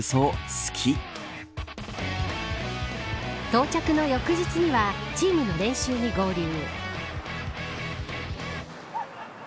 到着の翌日にはチームの練習に合流。